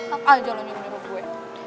apa aja lo nyuruh nyuruh gue